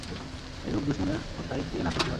এরূপ দুশমনের হত্যায় কে না খুশী হয়?